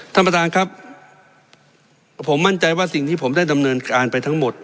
ท่านประธานครับผมมั่นใจว่าสิ่งที่ผมได้ดำเนินการไปทั้งหมด